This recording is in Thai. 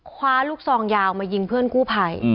คว้าลูกซองยาวมายิงเพื่อนกู้ภัย